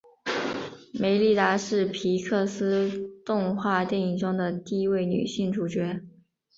梅莉达是皮克斯动画电影中的第一位女性主角。